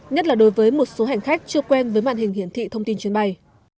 nhất là đối với một số hành khách chưa quen với mạng hình hiển thị thông tin chuyến bay